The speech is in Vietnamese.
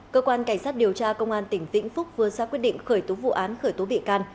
cơ quan cảnh sát điều tra công an tỉnh vĩnh phúc vừa ra quyết định khởi tố vụ án khởi tố bị can